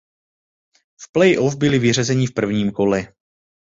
V playoff byli vyřazeni v prvním kole.